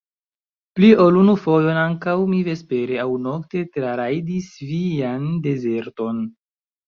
Pli ol unu fojon ankaŭ mi vespere aŭ nokte trarajdis vian dezerton!